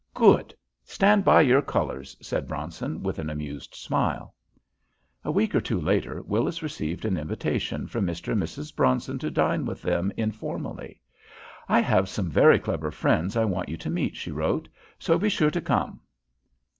"Good! Stand by your colors," said Bronson, with an amused smile. A week or two later Willis received an invitation from Mr. and Mrs. Bronson to dine with them informally. "I have some very clever friends I want you to meet," she wrote. "So be sure to come."